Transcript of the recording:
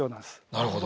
なるほど。